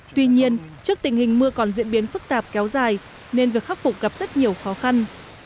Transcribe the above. tuy nhiên trước tình hình mưa còn diễn biến phức tạp kéo dài nên việc khắc phục gặp rất nhiều khó khăn